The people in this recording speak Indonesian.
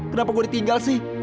kenapa gue ditinggal sih